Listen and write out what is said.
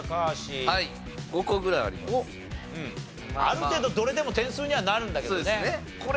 ある程度どれでも点数にはなるんだけどね。